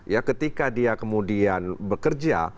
ya ketika dia kemudian bekerja